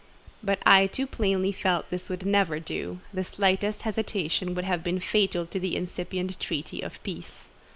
But I too plainly felt this would never do: the slightest hesitation would have been fatal to the incipient treaty of peace.